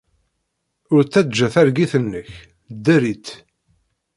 Ur ttajja targit-nnek! Dder-itt!